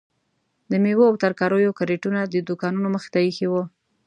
د میوو او ترکاریو کریټونه د دوکانو مخې ته ایښي وو.